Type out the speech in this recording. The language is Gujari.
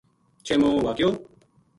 چھیمو واقعو